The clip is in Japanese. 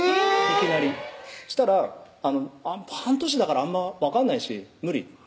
いきなりしたら「半年だからあんま分かんないし無理」